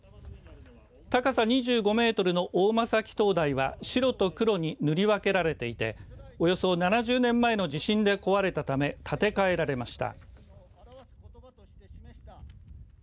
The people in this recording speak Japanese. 高さ２５メートルの大間埼灯台は白と黒に塗り分けられていておよそ７０年前の地震で壊れたため建て替えられました。